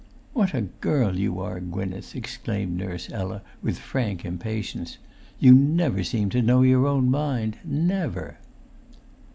"What a girl you are, Gwynneth!" exclaimed Nurse Ella, with frank impatience. "You never seem to know your own mind—never!"